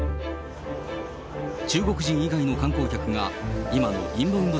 中国人以外の観光客が今のインバウンド